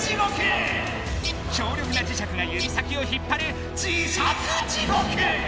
強力な磁石が指先を引っぱる磁石地獄。